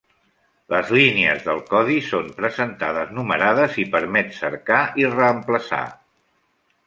Les línies del codi són presentades numerades i permet cercar i reemplaçar.